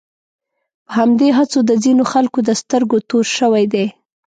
په همدې هڅو د ځینو خلکو د سترګو تور شوی دی.